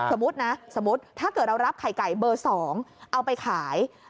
สมมุตินะสมมุติถ้าเกิดเรารับไข่ไก่เบอร์๒เอาไปขาย